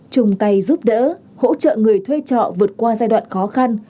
chung tay giúp đỡ hỗ trợ người thuê trọ vượt qua giai đoạn khó khăn